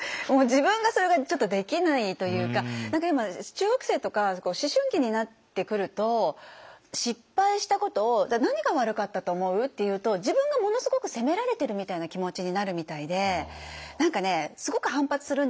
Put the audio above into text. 自分がそれができないというか中学生とか思春期になってくると失敗したことを「何が悪かったと思う？」って言うと自分がものすごく責められてるみたいな気持ちになるみたいで何かねすごく反発するんですよ。